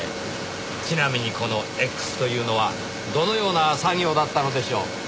ちなみにこの「Ｘ」というのはどのような作業だったのでしょう？